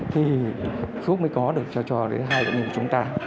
thì thuốc mới có được cho hai bệnh nhân của chúng ta